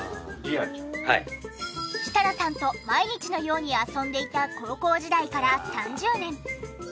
設楽さんと毎日のように遊んでいた高校時代から３０年。